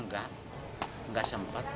enggak gak sempat